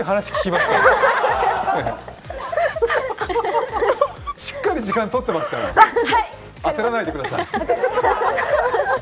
しっかり時間取ってますから焦らないでください。